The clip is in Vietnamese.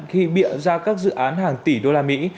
khi biện ra các dự án hàng tỷ đô la mỹ